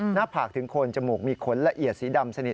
หน้าผากถึงโคนจมูกมีขนละเอียดสีดำสนิท